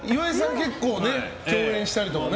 結構共演したりとかね。